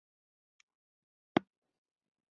د شمالي هلمند د اوبو منابع کاریزونه او چینې دي